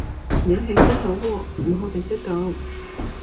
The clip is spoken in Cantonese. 你係先好喎,唔好大隻講